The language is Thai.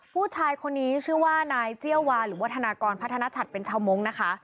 ผู้ชายคนนี้ชื่อว่านายเจียวาหรือพระธนากรพระธนัชถเป็นเช้าโมงนะคะ